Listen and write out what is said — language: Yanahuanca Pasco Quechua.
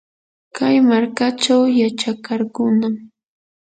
kay markachaw yachakarqunam.